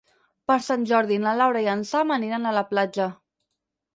Per Sant Jordi na Laura i en Sam aniran a la platja.